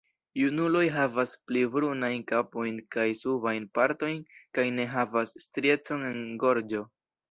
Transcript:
Junuloj havas pli brunajn kapojn kaj subajn partojn kaj ne havas striecon en gorĝo.